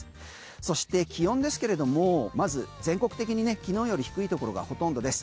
そして気温ですけれどもまず全国的に昨日より低いところがほとんどです。